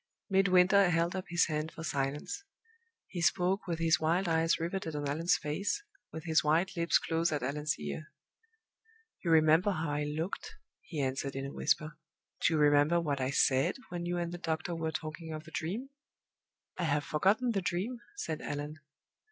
Midwinter held up his band for silence. He spoke with his wild eyes riveted on Allan's face, with his white lips close at Allan's ear. "You remember how I looked," he answered, in a whisper. "Do you remember what I said when you and the doctor were talking of the Dream?" "I have forgotten the Dream," said Allan.